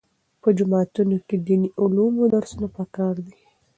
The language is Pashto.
په جوماتونو کې د دیني علومو درسونه پکار دي.